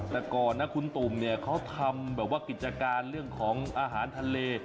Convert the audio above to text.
แต่ก่อนนะคุณตุ่มเขาทำกิจการเรื่องของอาหารทะเล